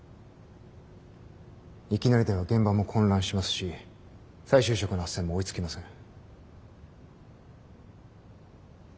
いきなりでは現場も混乱しますし再就職のあっせんも追いつきません。